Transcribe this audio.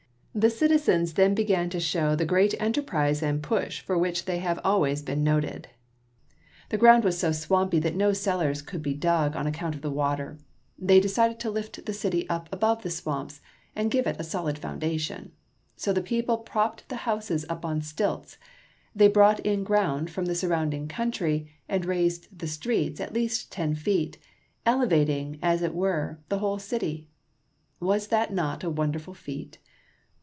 The citizens then began to show the great enterprise and Lake Front, Chicago. The ground push for which they have always been noted was so swampy that no cellars could be dug on account THE GREAT FIRE. 22 7 of the water. They decided to lift the city up above the swamps and give it a solid foundation. So the people propped the houses up on stilts ; they brought in ground from the surrounding country, and raised the streets at least ten feet, elevating, as it were, the whole city. Was not that a wonderful feat